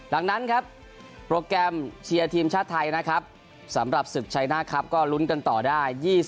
ดังนั้นครับโปรแกรมเชียร์ทีมชาติไทยนะครับสำหรับศึกชัยหน้าครับก็ลุ้นกันต่อได้